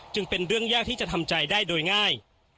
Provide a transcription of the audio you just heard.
เป็นเรื่องยากที่จะทำใจได้โดยง่าย